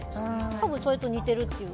多分、それと似てるっていうか。